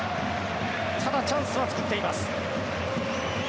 ただ、チャンスは作っています。